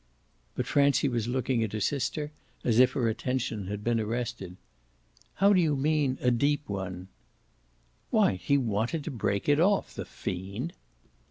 But Francie was looking at her sister as if her attention had been arrested. "How do you mean 'a deep one'?" "Why he wanted to break it off, the fiend!"